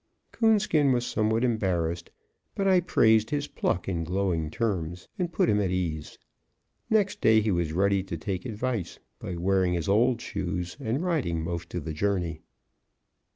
Coonskin was somewhat embarrassed, but I praised his pluck in glowing terms, and put him at ease. Next day he was ready to take advice, by wearing his old shoes and riding most of the journey.